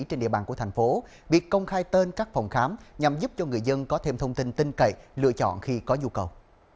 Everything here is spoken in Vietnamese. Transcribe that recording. trên địa bàn của thành phố việc công khai tên các phòng khám nhằm giúp cho người dân có thêm thông tin tinh cậy lựa chọn khi có nhu cầu